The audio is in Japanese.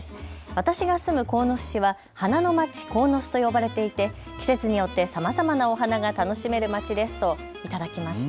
私が住む鴻巣市は花の街鴻巣と呼ばれていて季節によってさまざまなお花が楽しめる街ですといただきました。